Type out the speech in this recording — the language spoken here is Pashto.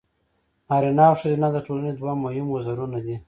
نارینه او ښځینه د ټولنې دوه مهم وزرونه دي.